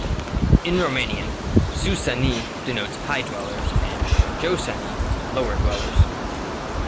In Romanian, "Susani" denotes "high-dwellers" and "Josani" "lower-dwellers".